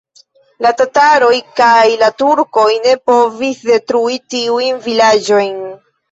La tataroj kaj la turkoj ne povis detrui tiujn vilaĝojn.